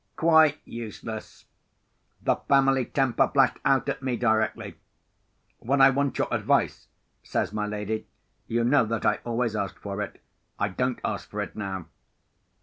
Quite useless! The family temper flashed out at me directly. "When I want your advice," says my lady, "you know that I always ask for it. I don't ask for it now."